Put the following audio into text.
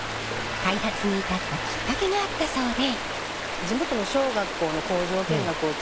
開発に至ったきっかけがあったそうで。